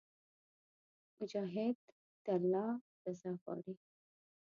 مجاهد د الله رضا غواړي.